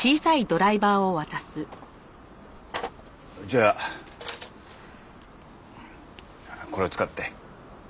じゃあこれを使って。